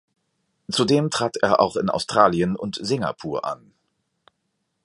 Zudem trat er auch in Australien und Singapur an.